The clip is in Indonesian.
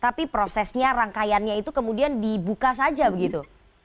tapi prosesnya rangkaiannya itu kemudian dibuka saja begitu